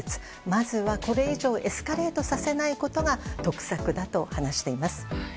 まずはこれ以上エスカレートさせないことが得策だと話しています。